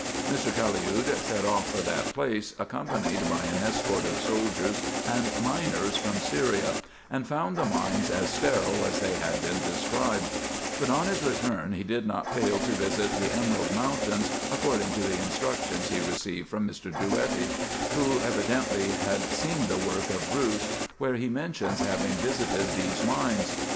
Mr. Caliud set off for that place, accompanied by an escort of soldiers and miners from Syria, and found the mines as steril as they had been described ; but on his return he did not fail to visit the emerald mountains, according to the instructions he received from Mr. Drouetti, who evidently had seen the work of Bruce, where he mentions having visited these mines.